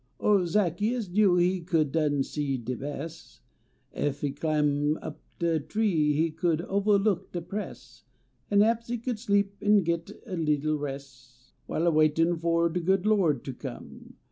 Oh, Zaccheus knew he could done see de bes , Rf e cliin up de tree he could ovahlook de press, Kn haps e could sleep eu git a leetle res , While a waitin fo de good Lo d ter come.